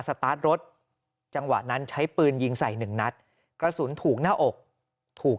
สตาร์ทรถจังหวะนั้นใช้ปืนยิงใส่หนึ่งนัดกระสุนถูกหน้าอกถูก